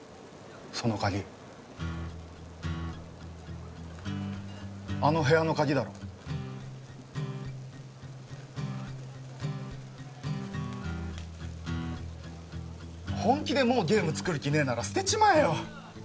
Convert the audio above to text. その鍵あの部屋の鍵だろ本気でもうゲーム作る気ねえなら捨てちまえよ